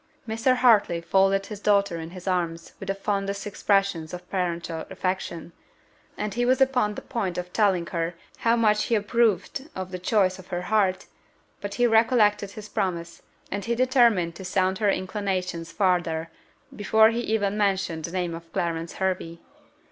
Mr. Hartley folded his daughter in his arms with the fondest expressions of parental affection, and he was upon the point of telling her how much he approved of the choice of her heart; but he recollected his promise, and he determined to sound her inclinations farther, before he even mentioned the name of Clarence Hervey.